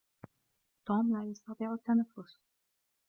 توم لا يستطيع التنفس.